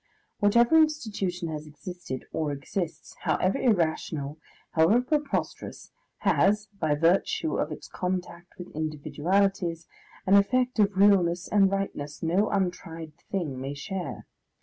Whatever institution has existed or exists, however irrational, however preposterous, has, by virtue of its contact with individualities, an effect of realness and rightness no untried thing may share.